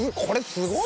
すごい。